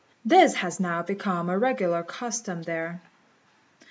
This has now become a regular custom there.